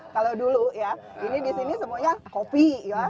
kalau dulu ya ini di sini semuanya kopi ya